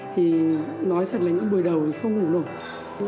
thì nói thật là những buổi đầu không ngủ nổi